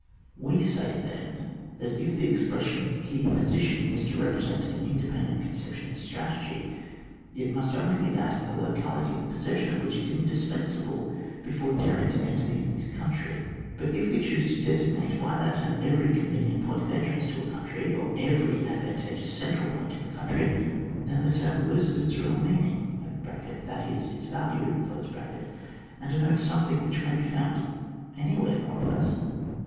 We say, then, that if the expression, key poaitiony is to represent an indepen dent conception in strategy, it must only be that of a locality the possession of which is indispensable before daring to enter the enemy's country. But if we choose 1o designate by that term every convenient point of entrance to a country, or every advantageous central point in the country, then the term loses its real meaning (that is, its value), and denotes something which may be foimd anywhere more or less.